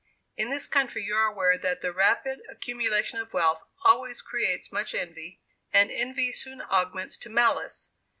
In this country you are aware that the rapid accumulation of wealth always creates much envy, and envy soon augments to malice.